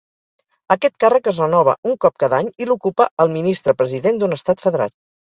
Aquest càrrec es renova un cop cada any, i l'ocupa el Ministre-President d'un estat federat.